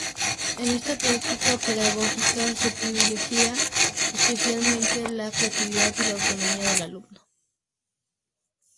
En esta práctica pedagógica se privilegia especialmente la creatividad y la autonomía del alumno.